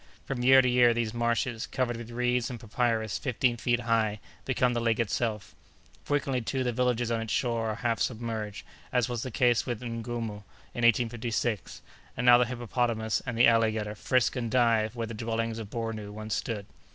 From year to year these marshes, covered with reeds and papyrus fifteen feet high, become the lake itself. Frequently, too, the villages on its shores are half submerged, as was the case with Ngornou in 1856, and now the hippopotamus and the alligator frisk and dive where the dwellings of Bornou once stood.